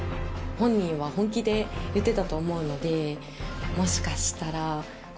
で言ってたと思うのでもしかしたら。